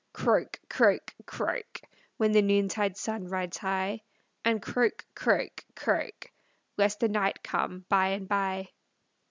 Croak, croak, croak, When the noontide sun rides high, And croak, croak, croak, Lest the night come by and by.